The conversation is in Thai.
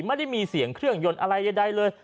ไม่ได้มีเสียงเครื่องยนต์อะไรใดเลย